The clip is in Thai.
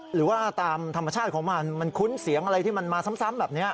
หรือว่าตามธรรมชาติของมันมันคุ้นเสียงอะไรที่มันมาซ้ำแบบนี้